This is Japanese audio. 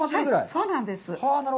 そうなんです。